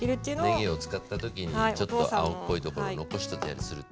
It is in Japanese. ねぎを使った時にちょっと青っぽいところを残してたりすると。